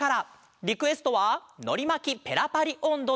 リクエストは「のりまきペラパリおんど」です。